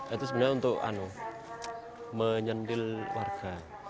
itu sebenarnya untuk menyentil warga